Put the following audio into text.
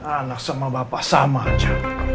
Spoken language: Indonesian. anak sama bapak sama aja